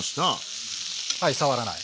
はい触らない。